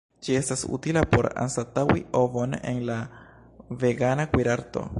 Ĝi estas utila por anstataŭi ovon en la vegana kuirarto.